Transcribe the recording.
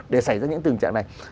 để xảy ra những tình trạng này